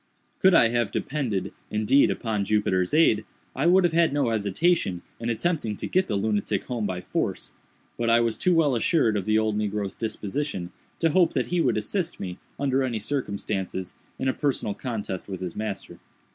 Could I have depended, indeed, upon Jupiter's aid, I would have had no hesitation in attempting to get the lunatic home by force; but I was too well assured of the old negro's disposition, to hope that he would assist me, under any circumstances, in a personal contest with his master.